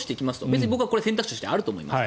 別に選択肢としてあると思います。